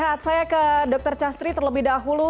sehat saya ke dr castri terlebih dahulu